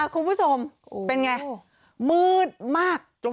คุณผู้ชมเป็นไงมืดมาก